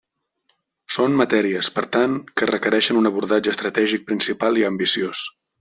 Són matèries, per tant, que requereixen un abordatge estratègic principal i ambiciós.